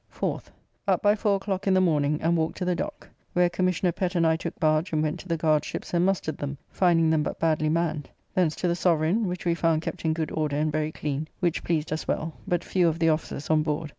4th. Up by four o'clock in the morning and walked to the Dock, where Commissioner Pett and I took barge and went to the guardships and mustered them, finding them but badly manned; thence to the Sovereign, which we found kept in good order and very clean, which pleased us well, but few of the officers on board.